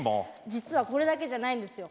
実はこれだけじゃないんですよ。